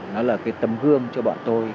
nó là cái tấm gương cho bọn tôi